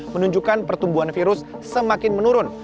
menunjukkan pertumbuhan virus semakin menurun